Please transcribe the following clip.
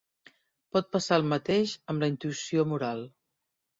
Pot passar el mateix amb la intuïció moral.